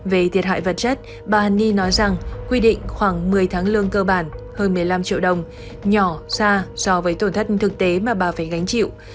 về thiệt hại vật chất bà hàn ni nói rằng quy định khoảng một mươi tháng lương cơ bản hơn một mươi năm triệu đồng nhỏ xa so với tổn thất thực tế mà bà phải gánh chịu